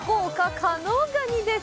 加能ガニです！